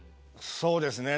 そうですね。